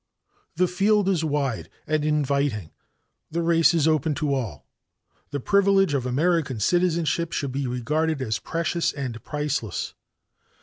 "The field is wide and inviting, the race is open to all. The privilege of American citizenship should be regarded as precious and priceless.